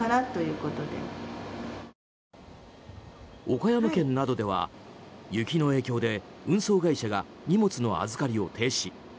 岡山県などでは雪の影響で運送会社が荷物の預かりを停止。